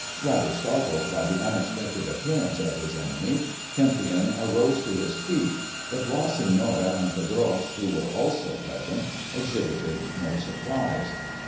Rather startled by the unexpected appearance of his enemy, Kempion arose to his feet, but La Senora and Pedroche, who were also present, exhibited no surprise.